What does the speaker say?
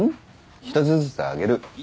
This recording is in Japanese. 一つずつあげる。